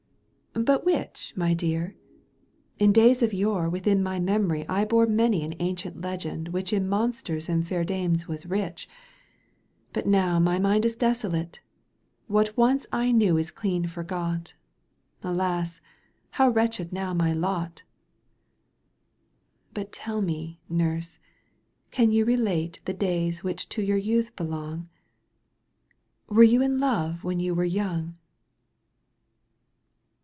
" But which, my dear ?— In days of yore Within my memory I bore Many an ancient legend which In monsters and fair dames was rich ; But now my mind. is desolate. What once I knew is clean forgot — Alas ! how wretched now my lot !" "But tell me, nurse, can you relate The days which to your youth belong ? Were you in love when you were young